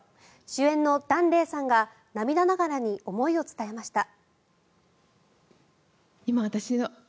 主演の檀れいさんが涙ながらに思いを伝えました。